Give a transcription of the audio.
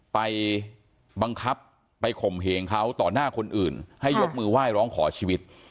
ไปบังคับไปข่มเหงเขาต่อหน้าคนอื่นให้ยกมือไหว้ร้องขอชีวิต